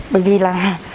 bởi vì là